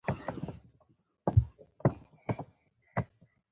لومړی لیدلوری د یوې شفافې ادارې درلودل دي.